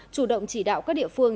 chủ động chỉ đạo các địa phương